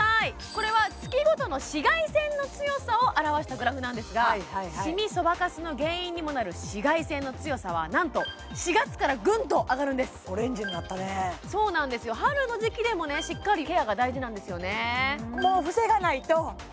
これは月ごとの紫外線の強さを表したグラフなんですがシミそばかすの原因にもなる紫外線の強さはなんと４月からグンと上がるんですオレンジになったねそうなんですよ春の時期でもねしっかりケアが大事なんですよね